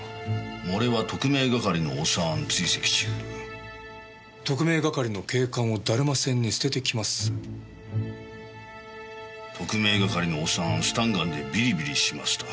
「漏れは特命係のオサーン追跡中」「特命係の警官をだるま船に捨ててきまっす」「特命係のオサーンスタンガンでビリビリしますた」